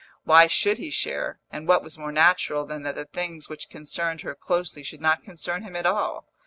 Why should he share, and what was more natural than that the things which concerned her closely should not concern him at all?